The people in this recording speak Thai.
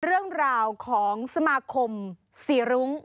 เรื่องราวของสมาคมสีรุ้ง